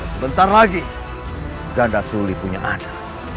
sebentar lagi ganda sulit punya anda